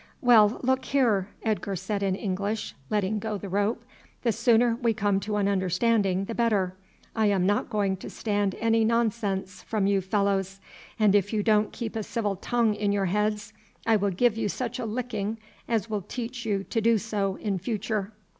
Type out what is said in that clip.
"Well, look here," Edgar said in English, letting go the rope, "the sooner we come to an understanding the better. I am not going to stand any nonsense from you fellows; and if you don't keep a civil tongue in your heads I will give you such a licking as will teach you to do so in future."